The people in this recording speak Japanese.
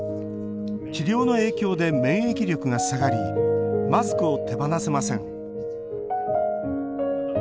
治療の影響で免疫力が下がりマスクを手放せません。